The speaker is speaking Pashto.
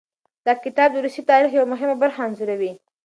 دا کتاب د روسیې د تاریخ یوه مهمه برخه انځوروي.